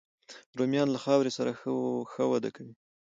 رومیان له خاورې سره ښه وده کوي